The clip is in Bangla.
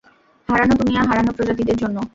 হারানো দুনিয়া হারানো প্রজাতিদের জন্য!